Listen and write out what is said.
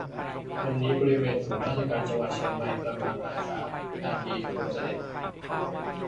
วันนี้บริเวณศูนย์ราชการจังหวัดเชียงใหม่ประมาณบ่ายสามอาจมี ขบวนเสด็จ